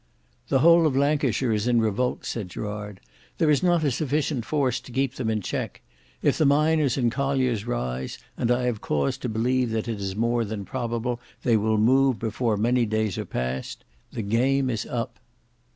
"The whole of Lancashire is in revolt," said Gerard. "There is not a sufficient force to keep them in check. If the miners and colliers rise, and I have cause to believe that it is more than probable they will move before many days are past,—the game is up."